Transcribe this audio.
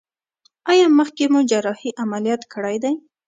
ایا مخکې مو جراحي عملیات کړی دی؟